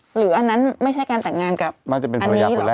หรืออันนั้นไม่ใช่การแต่งงานกับอันนี้หรอ